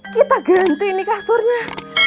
kita ganti nih kasurnya